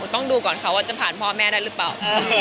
ต้องดูก่อนค่ะว่าจะผ่านพ่อแม่ได้หรือเปล่า